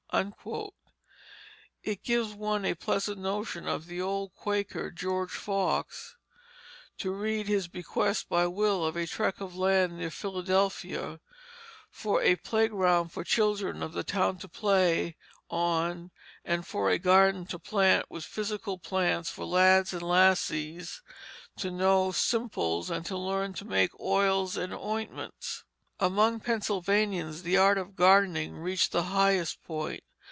It gives one a pleasant notion of the old Quaker, George Fox, to read his bequest by will of a tract of land near Philadelphia "for a playground for the children of the town to play on and for a garden to plant with physical plants, for lads and lassies to know simples, and learn to make oils and ointments." Among Pennsylvanians the art of gardening reached the highest point.